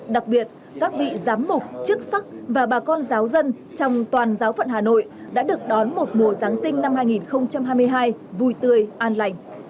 đặc biệt các vị giám mục chức sắc và bà con giáo dân trong toàn giáo phận hà nội đã được đón một mùa giáng sinh năm hai nghìn hai mươi hai vui tươi an lành